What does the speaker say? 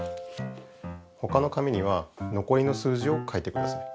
他の紙にはのこりの数字を書いてください。